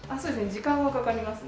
時間はかかりますね。